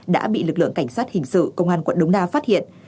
đã bị lực lượng cảnh sát hình sự công an quận đống đa phát hiện